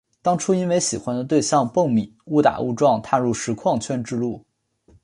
当初因为喜欢的对象蹦米误打误撞踏入实况圈之路。